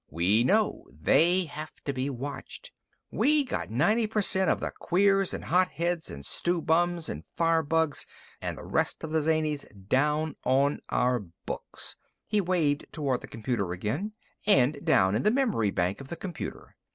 We know they have to be watched. We got ninety per cent of the queers and hopheads and stew bums and firebugs and the rest of the zanies down on our books" he waved toward the computer again "and down in the memory bank of the computer.